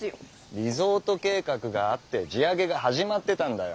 リゾート計画があって地上げが始まってたんだよ。